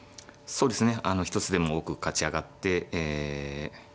そうですね。